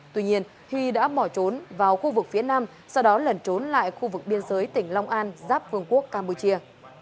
tuy nhiên huy đã bỏ trốn vào khu vực phía nam sau đó lẩn trốn lại khu vực biên giới tỉnh long an giáp vương quốc campuchia